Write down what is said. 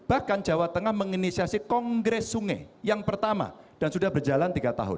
bahkan jawa tengah menginisiasi kongres sungai yang pertama dan sudah berjalan tiga tahun